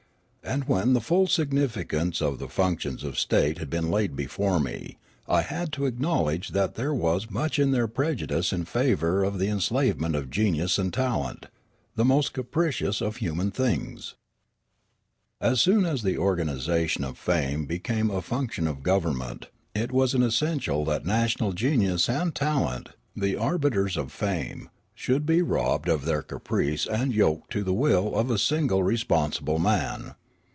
And when the full significance of the functions of state had been laid before me, I had to acknowledge that there was much in their prejudice in favour of the en slavement of genius and talent — the most capricious of human things. As soon as the organisation of fame became a func tion of government, it was an essential that national genius and talent, the arbiters of fame, should be robbed of their caprice and yoked to the will of a single respons ible man.